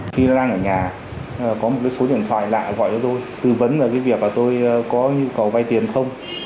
khi đang ở nhà có một số điện thoại lại gọi cho tôi tư vấn về việc tôi có nhu cầu vay tiền không